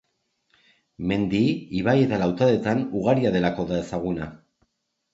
Mendi, ibai eta lautadetan ugaria delako da ezaguna.